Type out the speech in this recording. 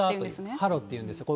ハロっていうんですね。